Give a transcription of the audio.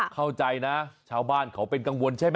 เข้าใจนะชาวบ้านเขาเป็นกังวลใช่ไหม